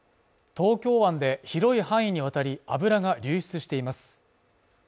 東京湾で広い範囲にわたり、油が流出しています。